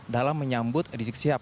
dalam menyambut rizik sihab